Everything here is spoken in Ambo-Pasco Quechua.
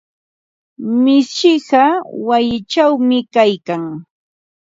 Mishiqa wayichawmi kaykan.